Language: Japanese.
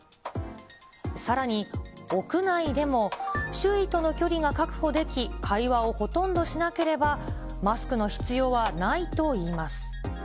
さらに屋内でも、周囲との距離が確保でき、会話をほとんどしなければ、マスクの必要はないといいます。